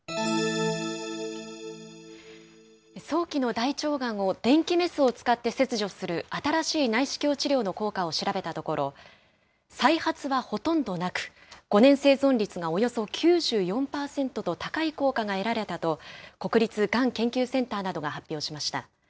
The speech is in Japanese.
早期の大腸がんを電気メスを使って切除する新しい内視鏡治療の効果を調べたところ、再発はほとんどなく、５年生存率がおよそ９４％と、高い効果が得られたと、国立がん研究センターなどが発表しました。